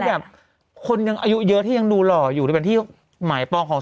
แบบคนยังอายุเยอะที่ยังดูหล่ออยู่ที่เป็นที่หมายปองของ